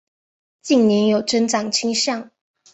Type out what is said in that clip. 近年有增长倾向。